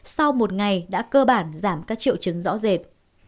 sau một ngày đã cơ bản giảm các triệu chứng rõ rệt